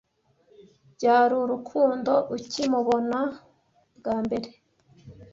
byari urukundo ukimubona bwa mbere